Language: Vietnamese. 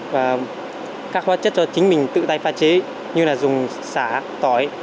và các hóa chất cho chính mình tự tay pha chế như là dùng xả tỏi